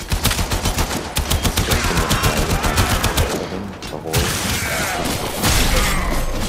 Präsidentin der Verleihung war die Schauspielerin Carole Bouquet.